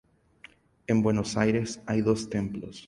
En Buenos Aires hay dos templos.